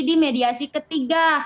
di mediasi ketiga